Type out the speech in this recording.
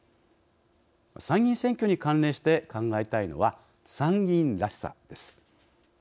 参議院選挙に関連して考えたいのは参議院らしさです。